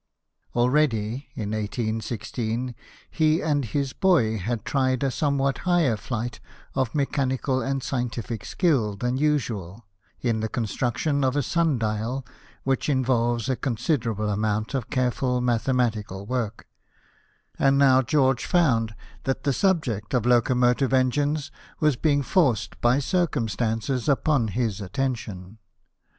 Already, in 1816, he and his boy had tried a somewhat higher flight of mechanical and scientific skill than usual, in the construction of a sun dial, which involves a considerable amount of careful mathematical work ; and now George found that the subject of locomotive engines was being forced by circumstances upon his attention.